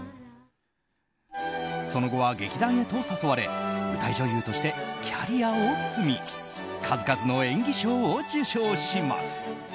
その後は劇団へと誘われ舞台女優としてキャリアを積み数々の演技賞を受賞します。